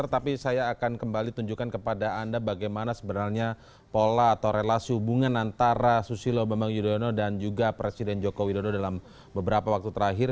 tapi saya akan kembali tunjukkan kepada anda bagaimana sebenarnya pola atau relasi hubungan antara susilo bambang yudhoyono dan juga presiden joko widodo dalam beberapa waktu terakhir